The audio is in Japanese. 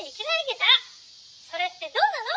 それってどうなの？